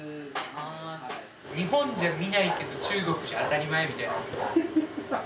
日本じゃ見ないけど中国じゃ当たり前みたいなことってある？